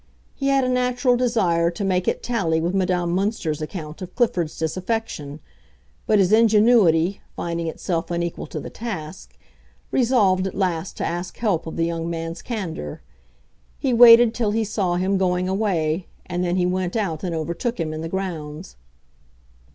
He had a natural desire to make it tally with Madame Münster's account of Clifford's disaffection; but his ingenuity, finding itself unequal to the task, resolved at last to ask help of the young man's candor. He waited till he saw him going away, and then he went out and overtook him in the grounds.